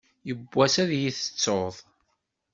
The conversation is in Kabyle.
Yiwwass ad yi-tettuḍ.